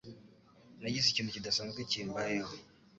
Nagize ikintu kidasanzwe kimbayeho.